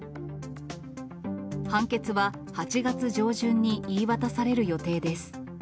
判決は８月上旬に言い渡される予定です。